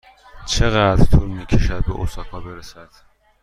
چقدر طول می کشد به اوساکا برسد؟